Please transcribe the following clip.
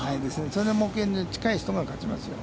それを目標に近い人が勝ちますよ。